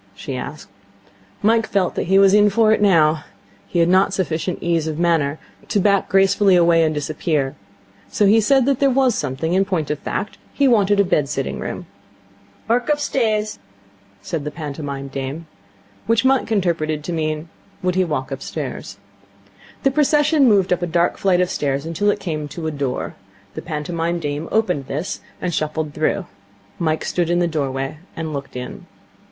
she asked. Mike felt that he was in for it now. He had not sufficient ease of manner to back gracefully away and disappear, so he said that there was something. In point of fact, he wanted a bed sitting room. 'Orkup stays,' said the pantomime dame. Which Mike interpreted to mean, would he walk upstairs? The procession moved up a dark flight of stairs until it came to a door. The pantomime dame opened this, and shuffled through. Mike stood in the doorway, and looked in.